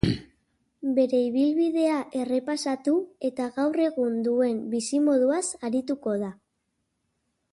Bere ibilbidea errepasatu eta gaur egun duen bizimoduaz arituko da.